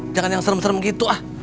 jangan yang serem serem gitu ah